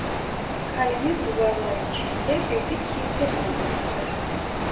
Kalenin duvarları içinde bir de kilise bulunmaktadır.